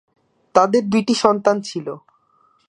তাদের দুইটি সন্তান ছিল।